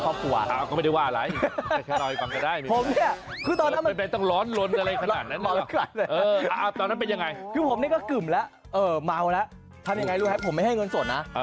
คือผมเนี่ยก็กึ๋มแล้วเอ่อเมาแล้วทำอย่างไรรู้ไหมตอนนั้นไม่ให้เงินสดนะ